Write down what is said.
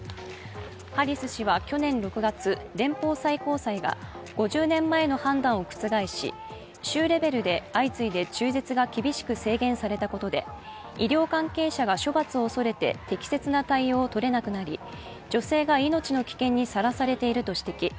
ハリス氏は去年６月、連邦最高裁が、５０年前の判断を覆し、州レベルで相次いで中絶が厳しく制限されたことで医療関係者が処罰を恐れて適切な対応をとれなくなり女性が命の危険にさらされていると指摘。